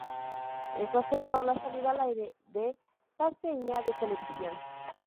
Eso aceleró la salida al aire de Paceña de Televisión.